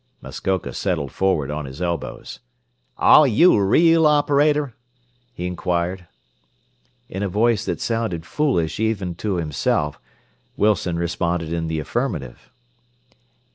Muskoka settled forward on his elbows. "Are you a real operator?" he inquired. In a voice that sounded foolish even to himself Wilson responded in the affirmative.